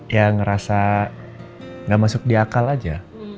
ya ngerasa gak masuk di akal aja